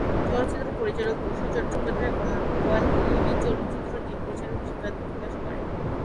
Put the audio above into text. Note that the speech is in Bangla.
চলচ্চিত্র পরিচালক বসু চট্টোপাধ্যায়ের কন্যা রূপালী, এই চলচ্চিত্র দিয়ে পরিচালক হিসেবে আত্মপ্রকাশ করেন।